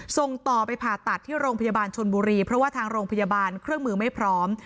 ส่งต่อไปผ่าตัดที่โรงพยาบาลชนบุรีเพราะว่าทางโรงพยาบาลเครื่องมือไม่พร้อม